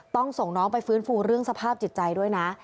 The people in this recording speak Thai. ต้องส่งน้องไปฟื้นฟูเรื่องสภาพจิตใจด้วยนะ